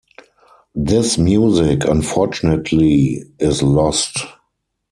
This music unfortunately is lost.